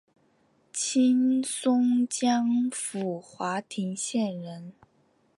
清松江府华亭县人。